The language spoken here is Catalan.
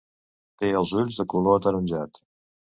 Té els ulls de color ataronjat.